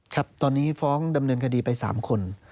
ครับตอนนี้ฟ้องดำเนินคดีไป๓คน